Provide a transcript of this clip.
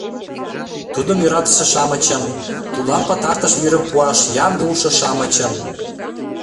Тудым йӧратыше-шамычым, Тудлан пытартыш вӱрым пуаш ямде улшо-шамычым...